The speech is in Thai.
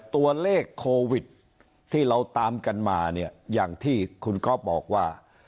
ตัวเลขโควิดที่เราตามกันมาเนี่ยอย่างที่คุณก๊อฟบอกว่า